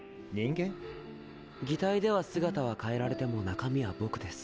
擬態では姿は変えられても中身は僕です。